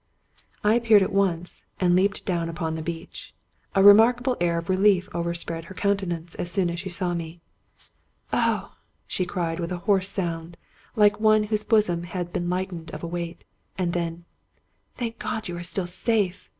I appeared at once, and leaped down upon the beach. A remarkable air of relief overspread her countenance as soon as she saw me. "Oh!" she cried, with a hoarse sound, like one whose bosom had been lightened of a weight. And then, " Thank God you are still safe!